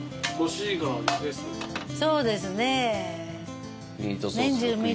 そうですね。